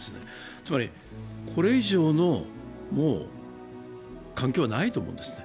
つまりこれ以上の関係はないと思うんです。